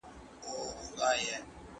کېدای سي مځکه وچه وي؟